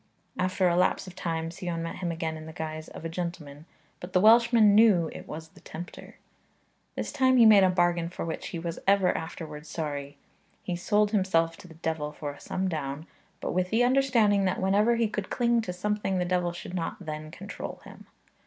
After a lapse of time, Sion met him again in the guise of a gentleman, but the Welshman knew it was the tempter. This time he made a bargain for which he was ever afterwards sorry, i.e., he sold himself to the devil for a sum down, but with the understanding that whenever he could cling to something the devil should not then control him.